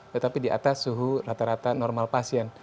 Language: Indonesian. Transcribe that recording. tetapi di atas suhu rata rata normal pasien